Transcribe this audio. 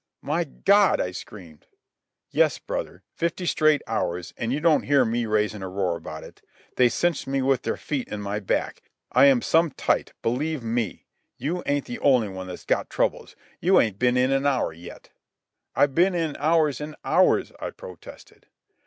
"My God!" I screamed. "Yes, brother, fifty straight hours, an' you don't hear me raisin' a roar about it. They cinched me with their feet in my back. I am some tight, believe me. You ain't the only one that's got troubles. You ain't ben in an hour yet." "I've been in hours and hours," I protested.